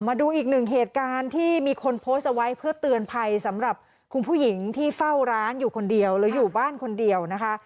มาดูอีกหนึ่งเหตุการณ์ที่มีคนโพสต์เอาไว้เพื่อเตือนภัยสำหรับคุณผู้หญิงที่เฝ้าร้านอยู่คนเดียวหรืออยู่บ้านคนเดียวนะคะ